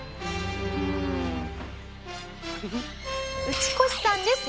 ウチコシさんです。